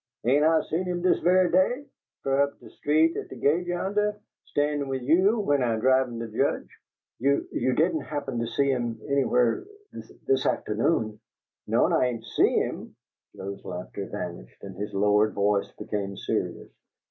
"Ain' I seen him dis ve'y day, fur up de street at de gate yonnah, stan'in' 'ith you, w'en I drivin' de Judge?" "You you didn't happen to see him anywhere this this afternoon?" "No'm, I ain' SEE him." Sam's laughter vanished and his lowered voice became serious.